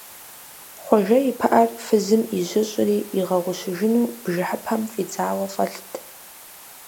Хъуэжэ и пыӀэр фызым ижьыщӀри, игъэгъущыжыну бжыхьыпэм фӀидзауэ фӀэлът.